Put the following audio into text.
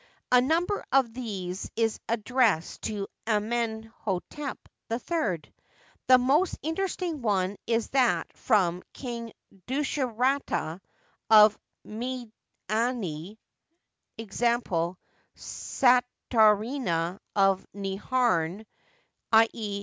A number of these is addressed to Amenh6tep III. The most interesting one is that from King Dushratta, of Mitdni (Eg. Satarna of Neharen — L e.